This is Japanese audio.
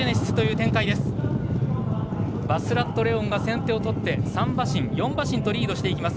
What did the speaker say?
バスラットレオンが先手を取って３馬身、４馬身とリードしていきます。